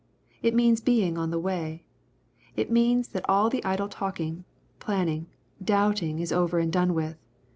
It means being on the way. It means that all the idle talking, planning, doubting is over and done with.